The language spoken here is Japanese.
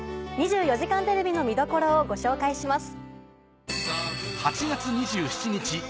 『２４時間テレビ』の見どころをご紹介します。